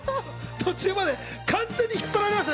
途中まで完全に引っ張られましたね。